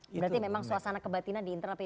berarti memang suasana kebatinan di internet